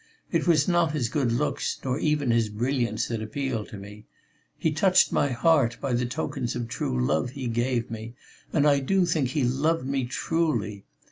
It was not his good looks nor even his brilliance that appealed to me.... He touched my heart by the tokens of true love he gave me, and I do think he loved me truly.